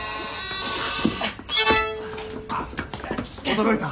驚いた？